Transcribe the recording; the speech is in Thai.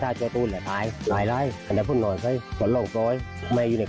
ไก่ไข่อารมณ์ดีที่คุณสุธินเลี้ยงไว้